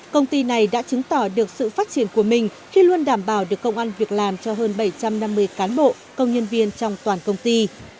công ty này đã chứng tỏ được sự phát triển của mình khi luôn đảm bảo được công an việc làm cho hơn bảy trăm năm mươi cán bộ công nhân viên trong toàn công ty